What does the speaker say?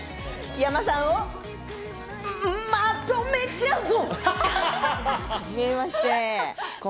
ｙａｍａさんをまとめちゃうぞ！